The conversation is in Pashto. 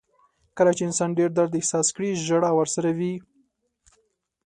• کله چې انسان ډېر درد احساس کړي، ژړا ورسره وي.